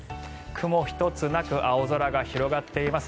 雲一つなく青空が広がっています。